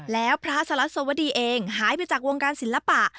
แล้วพระสลัสวดีเองหายไปจากวงการศิลปะ